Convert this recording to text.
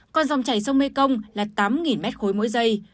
còn dòng chảy sông mekong là tám mét khối mỗi dây